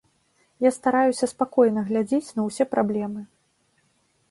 Я стараюся спакойна глядзець на ўсе праблемы.